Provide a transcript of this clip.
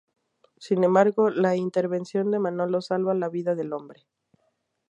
Sin embargo, la intervención de Manolo salva la vida del hombre.